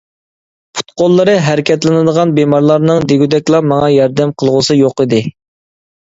پۇت-قوللىرى ھەرىكەتلىنىدىغان بىمارلارنىڭ دېگۈدەكلا ماڭا ياردەم قىلغۇسى يوقىدى.